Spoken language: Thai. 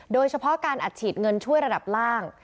โดยเฉพาะการอัดฉีดเงินช่วยระดับล่าง